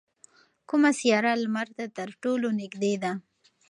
کومه سیاره لمر ته تر ټولو نږدې ده؟